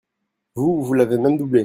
Vous, vous l’avez même doublé